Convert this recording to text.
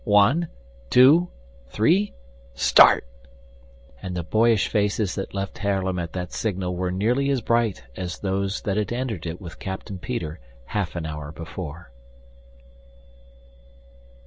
One, two, three, start!" And the boyish faces that left Haarlem at that signal were nearly as bright as those that had entered it with Captain Peter half an hour before.